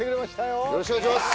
よろしくお願いします